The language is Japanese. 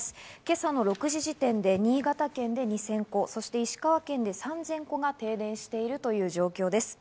今朝の６時時点で、新潟県で２０００戸、石川県で３０００戸が停電しているという状況です。